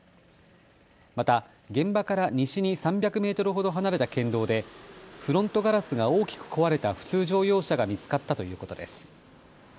また現場から西に３００メートルほど離れた県道でフロントガラスが大きく壊れた普通乗用車が見つかったということです。